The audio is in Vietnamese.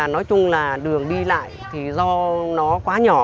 nói chung là đường đi lại thì do nó quá nhỏ